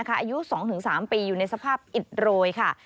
อายุ๒๓ปีอยู่ในสภาพอิดโรยค่ะ